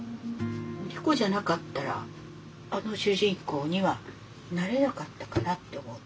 猫じゃなかったらあの主人公にはなれなかったかなって思う。